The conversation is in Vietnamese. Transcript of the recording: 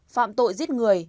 phạm tội giết người